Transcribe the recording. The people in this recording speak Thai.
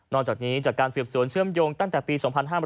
จากนี้จากการสืบสวนเชื่อมโยงตั้งแต่ปี๒๕๕๘